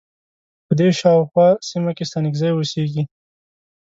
په دې شا او خواه سیمه کې ستانکزی اوسیږی.